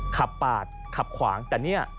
ขับปาดขับขวางแต่เนี่ย